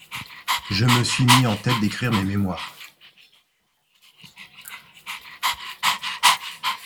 Je me suis mis en tête d'écrire mes mémoires.